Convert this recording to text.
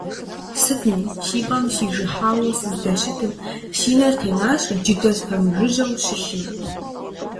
Сытми, си пӀэм сижыхьауэ сыздэщытым, си нэр тенащ джыдэ спэмыжыжьэу щылъым.